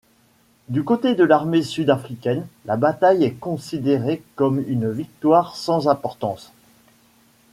Du côté de l'armée sud-africaine, la bataille est considérée comme une victoire sans importance.